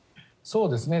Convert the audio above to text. そうですね。